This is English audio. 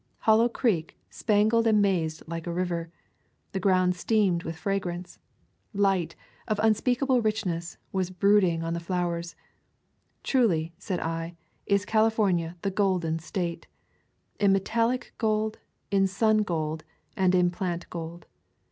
Hollow Creek spangled and mazed like a river. The ground steamed with fragrance. Light, of unspeakable richness, was brooding the flowers. Truly, said I, is California the Golden State — in metallic gold, in sun gold, and in plant gold.